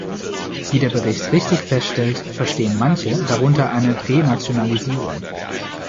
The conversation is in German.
Wie der Bericht richtig feststellt, verstehen manche darunter eine Renationalisierung.